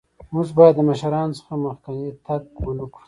مونږ باید د مشرانو څخه مخکې تګ ونکړو.